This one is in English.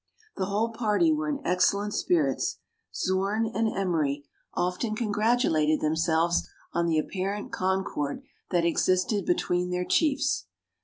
The whole party were in excellent spirits. Zorn and Emery 14 325 MERIDIANA; THE ADVENTURES OF often congratulated themselves on the apparent concord that existed between their chiefs.